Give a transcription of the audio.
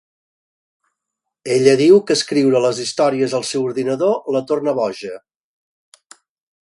Ella diu que escriure les històries al seu ordinador, la torna boja.